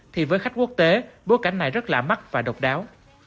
thì với khách quốc tế bối cảnh này rất là mắc và độc đáo